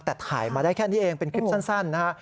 แต่ถ่ายมาได้แค่นี้เองเป็นคลิปสั้นนะฮะ